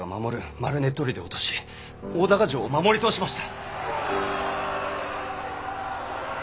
丸根砦を落とし大高城を守り通しました。